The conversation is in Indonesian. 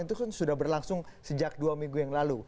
itu kan sudah berlangsung sejak dua minggu yang lalu